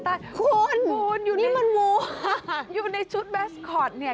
ตายคุณนี่มันวัวอ่ะคุณอยู่ในชุดแมสกอตเนี่ย